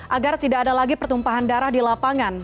agar tidak ada lagi pertumpahan darah di lapangan